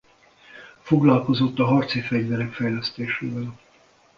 Foglalkozott a harci fegyverek fejlesztésével.